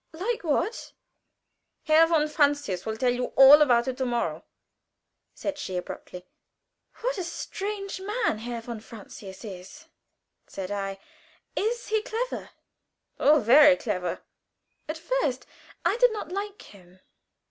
"Like what?" "Herr von Francius will tell you all about it to morrow," said she, abruptly. "What a strange man Herr von Francius is!" said I. "Is he clever?" "Oh, very clever." "At first I did not like him.